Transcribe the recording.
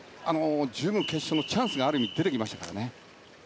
十分決勝のチャンスが出てきましたからね。